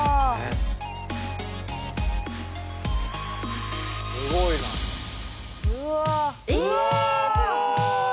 えすごい。